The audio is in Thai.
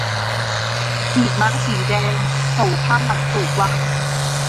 หิมะสีแดง - โสภาค สุวรรณ